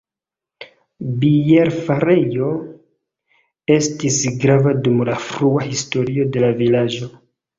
Bierfarejo estis grava dum la frua historio de la vilaĝo.